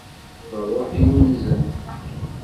D ṛṛuḥ yunzen.